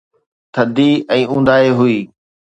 ٿڌي ۽ اونداهي هئي.